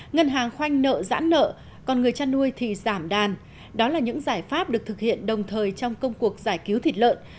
ngân hàng khoanh nợ giãn nợ còn người chăn nuôi thì giảm đàn đó là những giải pháp được thực hiện đồng thời trong công cuộc giải cứu thịt lợn